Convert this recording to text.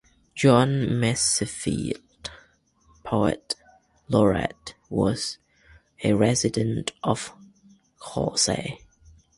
John Masefield, poet laureate, was a resident of Cholsey.